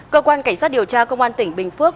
cơ quan cảnh sát điều tra công an tỉnh bình phước